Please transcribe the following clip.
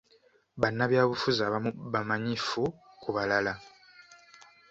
Bannabyabufuzi abamu bamanyifu ku balala.